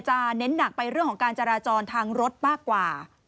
เน้นหนักไปเรื่องของการจราจรทางรถมากกว่า